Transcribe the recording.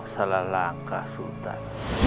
salah langkah sultan